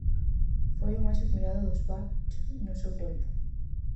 Foi o máis admirado dos Bach no seu tempo.